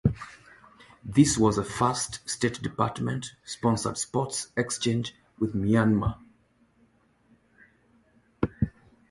This was the first State Department-sponsored sports exchange with Myanmar.